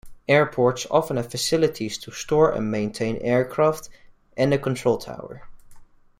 Airports often have facilities to store and maintain aircraft, and a control tower.